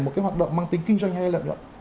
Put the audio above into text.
một cái hoạt động mang tính kinh doanh hay lợi nhuận